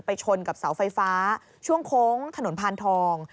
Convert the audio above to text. ชนกับเสาไฟฟ้าช่วงโค้งถนนพานทอง